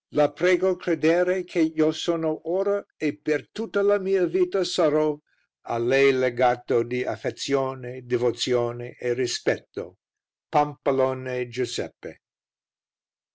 La prego credere che io sono ora, e per tutta la mia vita saro, a Lei legato di affezione, divozione e rispetto. "PAMPALONE GIUSEPPE."